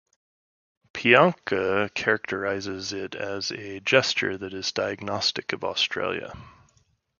Pianka characterizes it as a gesture that is "diagnostic of Australia".